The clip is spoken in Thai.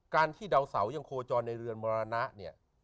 ที่ดาวเสายังโคจรในเรือนมรณะเนี่ย